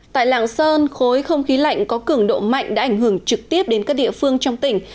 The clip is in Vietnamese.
tại lạng sơn khối không khí lạnh có cường độ mạnh đã ảnh hưởng trực tiếp đến các địa phương trong tỉnh